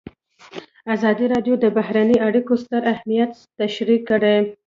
ازادي راډیو د بهرنۍ اړیکې ستر اهميت تشریح کړی.